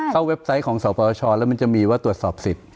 เว็บไซต์ของสปชแล้วมันจะมีว่าตรวจสอบสิทธิ